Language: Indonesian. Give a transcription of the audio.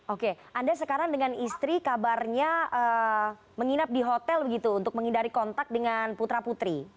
oke anda sekarang dengan istri kabarnya menginap di hotel begitu untuk menghindari kontak dengan putra putri